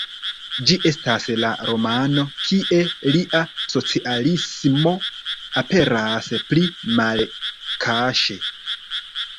Ĝi estas la romano, kie lia socialismo aperas pli malkaŝe.